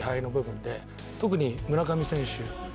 特に村上選手